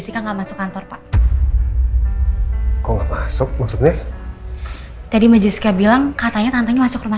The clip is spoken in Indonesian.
sih enggak masuk kantor pak kok masuk maksudnya tadi majisika bilang katanya tantang masuk rumah